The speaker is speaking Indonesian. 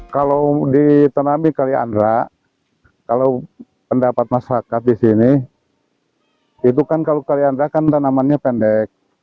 kalau ditanami kaliandra kalau pendapat masyarakat di sini itu kan kalau kaliandra kan tanamannya pendek